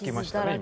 今。